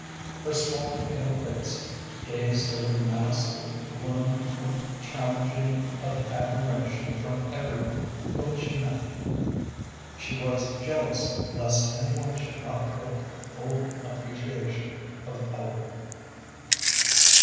Her small, pale face gazed over the mass of bloom with challenging of admiration from every one whom she met. She was jealous lest any one should not look with full appreciation of Ellen.